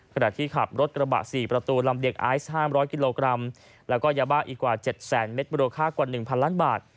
ขณะที่ขับรถกระบะ๔ประตูลำเลียงไอซ์๕๐๐กิโลกรัมแล้วก็ยาบ้าอีกกว่า๗แสนเมตรมูลค่ากว่า๑๐๐ล้านบาท